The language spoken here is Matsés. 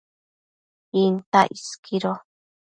Intac isquido